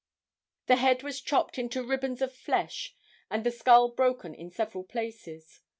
The head was chopped into ribbons of flesh and the skull broken in several places.